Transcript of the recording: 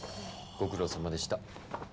ご苦労さまでした。